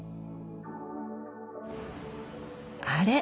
あれ？